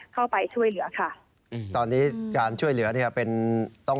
เข้าไปช่วยเหลือค่ะอืมตอนนี้การช่วยเหลือเนี่ยเป็นต้อง